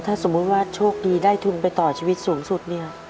ถ้าสมมุติว่าโชคดีได้ทุนไปต่อชีวิตสูงสุดเนี่ย